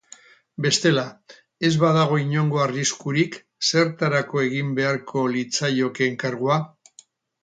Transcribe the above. Bestela, ez badago inongo arriskurik zertarako egin beharko litzaioke enkargua.